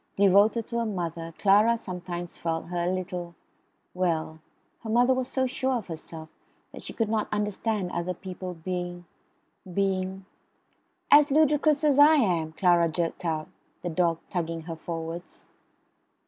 Devoted to her mother, Clara sometimes felt her a little, well, her mother was so sure of herself that she could not understand other people being being "as ludicrous as I am," Clara jerked out (the dog tugging her forwards).